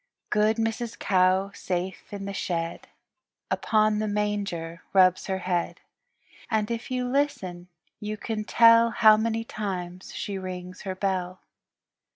Good Mrs. Cow safe in the shed Upon the manger rubs her head, And if you listen you can tell How many times she rings her bell.